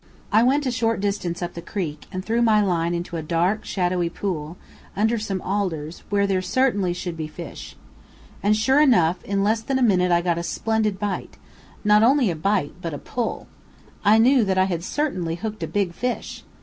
I went a short distance up the creek, and threw my line into a dark, shadowy pool, under some alders, where there certainly should be fish. And, sure enough, in less than a minute I got a splendid bite, not only a bite, but a pull. I knew that I had certainly hooked a big fish!